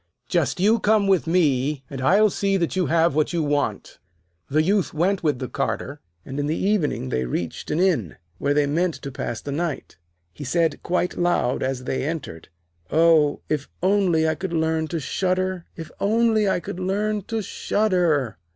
'Just you come with me, and I'll see that you have what you want.' The Youth went with the Carter, and in the evening they reached an inn, where they meant to pass the night. He said quite loud, as they entered: 'Oh, if only I could learn to shudder, if only I could learn to shudder.'